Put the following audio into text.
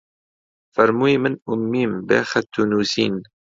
فەرمووی: من ئوممیم بێ خەت و نووسین